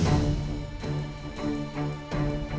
mau nenek mandi injuk